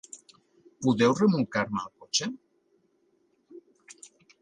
Podeu remolcar-me el cotxe?